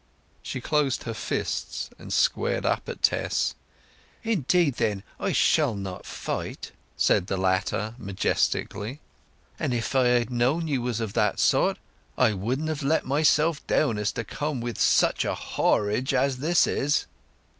She closed her fists and squared up at Tess. "Indeed, then, I shall not fight!" said the latter majestically; "and if I had known you was of that sort, I wouldn't have so let myself down as to come with such a whorage as this is!"